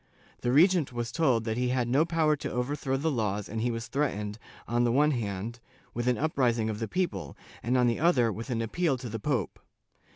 The regent was told that he had no power to overthrow the laws and he was threatened, on the one hand, with an uprising of the people, and, on the other, with an appeal to the pope.